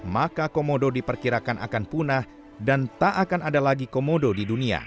maka komodo diperkirakan akan punah dan tak akan ada lagi komodo di dunia